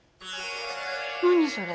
何それ？